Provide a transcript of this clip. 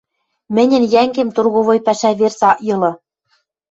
Мӹньӹн йӓнгем торговой пӓшӓ верц ак йылы...